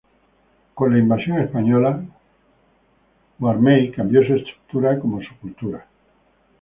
Con la invasión española, Huarmey cambio su estructura como su cultura.